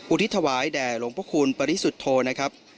ทิศถวายแด่หลวงพระคุณปริสุทธโธนะครับ